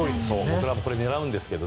僕らも狙うんですけど。